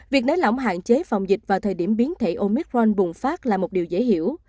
việc nới lỏng hạn chế phòng dịch vào thời điểm biến thể omicron bùng phát là một điều dễ hiểu